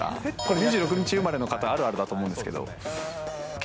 ２６日生まれの方あるあるだと思うんですけど。